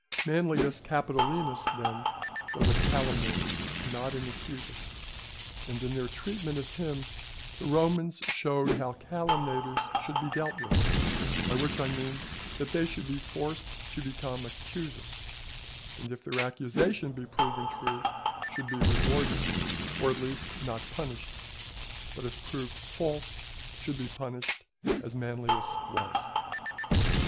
Manlius Capitolinus, then, was a calumniator, not an accuser; and in their treatment of him the Romans showed how calumniators should be dealt with; by which I mean, that they should be forced to become accusers; and if their accusation be proved true, should be rewarded, or at least not punished, but if proved false should be punished as Manlius was.